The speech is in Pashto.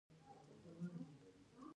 واوره اوبه ذخیره کوي